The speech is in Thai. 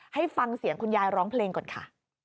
ให้ฟังเสียงคุณยายร้องเพลงก่อนค่ะ